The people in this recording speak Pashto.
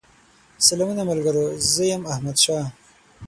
سلامونه ملګرو! زه يم احمدشاه